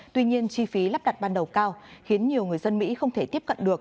tuy nhiên chi phí lắp đặt ban đầu cao khiến nhiều người dân mỹ không thể tiếp cận được